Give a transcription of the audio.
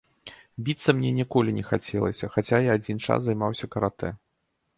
Біцца мне ніколі не хацелася, хаця я адзін час займаўся каратэ.